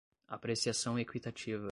apreciação equitativa